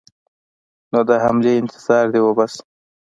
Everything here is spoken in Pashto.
نو د حملې انتظار دې وباسي.